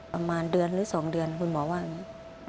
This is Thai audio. ประมาณเดือนหรือ๒เดือนคุณหมอว่าอย่างนี้